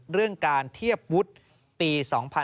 เรื่องการเทียบวุฒิปี๒๕๕๙